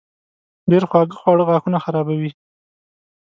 ډېر خواږه خواړه غاښونه خرابوي.